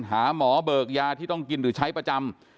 หาหมอเบิกยาที่ต้องกินหรือใช้ประจำ